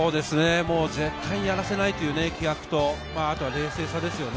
絶対にやらせないという気迫と冷静さですね。